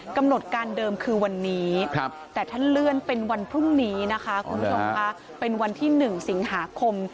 กำหนดการเดิมคือวันนี้แต่ท่านเลื่อนเป็นวันพรุ่งนี้นะคะคุณผู้ชมค่ะเป็นวันที่๑สิงหาคม